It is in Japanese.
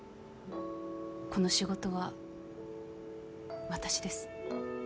この仕事は私です。